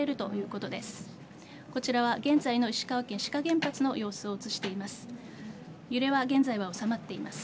こちらは現在の石川県志賀原発の様子を映しています。